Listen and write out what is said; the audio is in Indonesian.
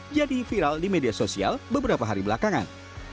jadi viral di media sosial beberapa hari belakangan